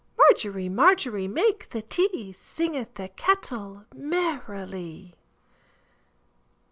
Margery, Margery, make the tea, Singeth the kettle merrily.